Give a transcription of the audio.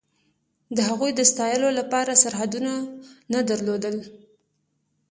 د هغوی د ستایلو لپاره سرحدونه نه درلودل.